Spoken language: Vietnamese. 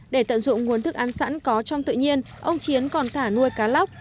để tận dụng nguồn thức ăn sẵn có trong tự nhiên ông chiến còn thả nuôi cá lóc